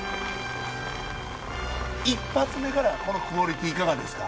一発目からこのクオリティーいかがですか？